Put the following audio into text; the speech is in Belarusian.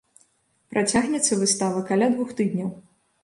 Працягнецца выстава каля двух тыдняў.